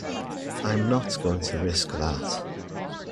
I'm not going to risk that!